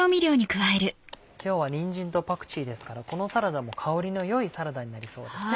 今日はにんじんとパクチーですからこのサラダも香りの良いサラダになりそうですね。